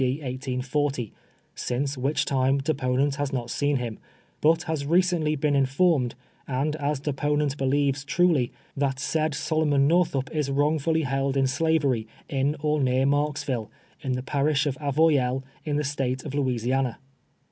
D. 1840, smce which time deponent has not seen liim, but has receiitly been informed, and as deponent be lieves truly, that said Solomon Northup is wrongfully held in slavery in or near Marksville, hi the parish of Avoyelles, in the State of Louisiana.